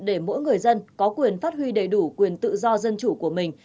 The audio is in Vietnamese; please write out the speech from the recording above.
để mỗi người dân có quyền phát huy đầy đủ quyền tự do dân chủ của mình